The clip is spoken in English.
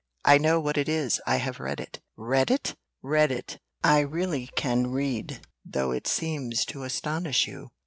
I know what it is; I have read it." "Read it!" "Read it! I really can read, though it seems to astonish you."